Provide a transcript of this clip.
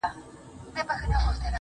نه په مسجد کي سته او نه په درمسال کي سته